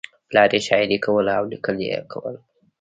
پلار یې شاعري کوله او لیکل یې کول